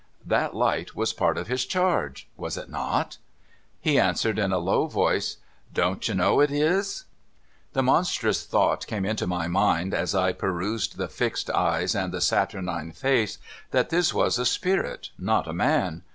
'i'hat light was part of his charge ? Was it not? He answered in a low voice, —■' Don't you know it is ?' The monstrous thought came into my mind, as I perused the fixed eyes and the saturnine face, that this was a spirit, not a man.